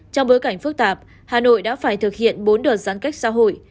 trong bối cảnh phức tạp hà nội đã phải thực hiện bốn đợt giãn cách xã hội